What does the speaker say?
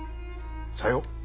さよう。